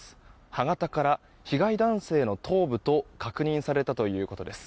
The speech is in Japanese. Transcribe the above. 歯型から被害男性の頭部と確認されたということです。